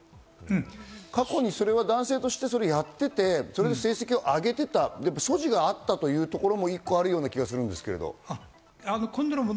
過去に男性としてそれをやっていて成績を上げていた素地があったというところも一個あるような気がするんですけれど。